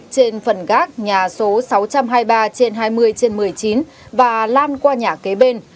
trên phần gác nhà số sáu trăm hai mươi ba trên hai mươi trên một mươi chín và lan qua nhà kế bên